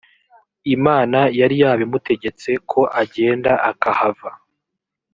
imana yari yabimutegetse ko agenda akahava